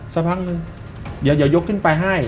สักพักนึงเดี๋ยวยกขึ้นไปให้